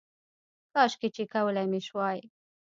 کاشکې چې کولی مې شوای